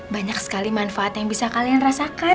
banyak sekali manfaat yang bisa kalian rasakan